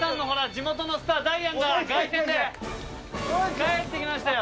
地元のスターダイアンが凱旋で帰って来ましたよ。